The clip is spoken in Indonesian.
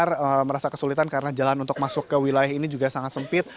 pertama juga tadi damkar merasa kesulitan karena jalan untuk masuk ke wilayah ini juga sangat sempit